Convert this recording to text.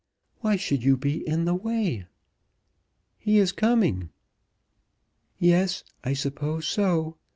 "Why should you be in the way?" "He is coming." "Yes, I suppose so.